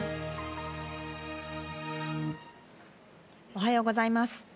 おはようございます。